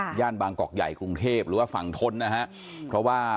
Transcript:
ย่านบางกอกใหญ่กรุงเทพหรือว่าฝั่งทนนะฮะเพราะว่า